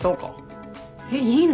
えっいいの？